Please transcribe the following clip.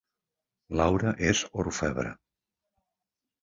Laura és orfebre